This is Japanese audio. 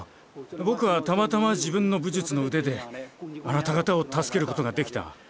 ぼくはたまたま自分のぶじゅつのうでであなた方をたすけることができた。